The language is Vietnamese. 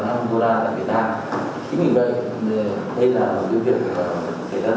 xảy ra rất là nghiêm trọng liên quan đến